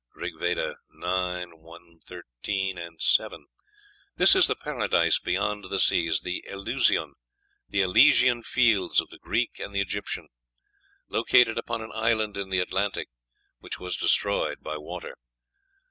(Rig Veda ix. 113, 7.) This is the paradise beyond the seas; the Elysion; the Elysian Fields of the Greek and the Egyptian, located upon an island in the Atlantic which was destroyed by water.